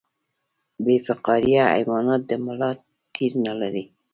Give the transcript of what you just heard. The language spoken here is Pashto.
بې فقاریه حیوانات د ملا تیر نلري